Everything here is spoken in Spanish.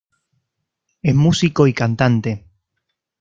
Es músico y cantante.